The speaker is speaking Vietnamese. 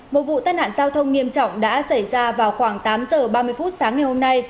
một vụ tai nạn giao thông nghiêm trọng đã xảy ra vào khoảng tám giờ ba mươi phút sáng ngày hôm nay